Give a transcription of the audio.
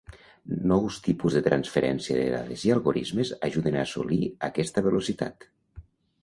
Nous tipus de transferència de dades i algorismes ajuden a assolir aquesta velocitat.